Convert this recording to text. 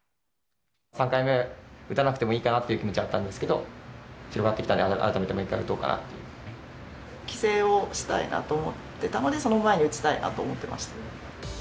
３回目、打たなくてもいいかなっていう気持ちはあったんですけど、広がってきたので、帰省をしたいなと思ってたので、その前に打ちたいなと思ってました。